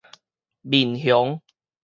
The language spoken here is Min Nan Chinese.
民雄